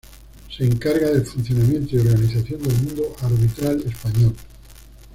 Se encarga del funcionamiento y organización del mundo arbitral español.